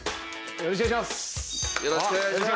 よろしくお願いします。